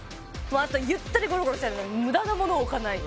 あとゆったりゴロゴロしたいので無駄なものを置かない